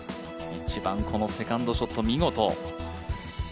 １番、このセカンドショット、見事。